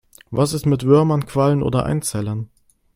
Was ist mit Würmern, Quallen oder Einzellern?